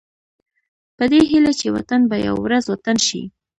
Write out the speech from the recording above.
په دې هيله چې وطن به يوه ورځ وطن شي.